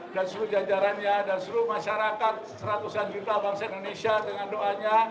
dan seluruh jajarannya dan seluruh masyarakat seratusan juta bangsa indonesia dengan doanya